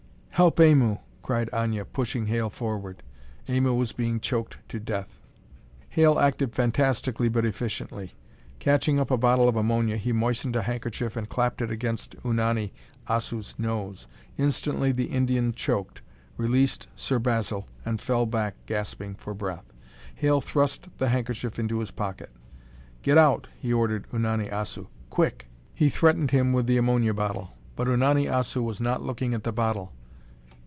"Help Aimu!" cried Aña, pushing Hale forward. Aimu was being choked to death. Hale acted fantastically but efficiently. Catching up a bottle of ammonia, he moistened a handkerchief and clapped it against Unani Assu's nose. Instantly the Indian choked, released Sir Basil, and fell back, gasping for breath. Hale thrust the handkerchief into his pocket. "Get out!" he ordered Unani Assu. "Quick!" He threatened him with the ammonia bottle. But Unani Assu was not looking at the bottle.